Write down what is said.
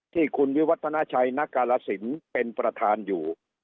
ที่คุณวิวัฒนาชัยณกาลสินเป็นประธานอยู่